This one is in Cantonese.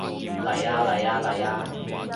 嚟吖嚟吖嚟吖